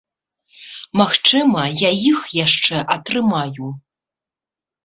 Магчыма, я іх яшчэ атрымаю.